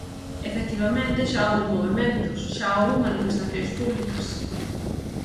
Efectivamente, xa houbo movementos, xa houbo manifestacións públicas.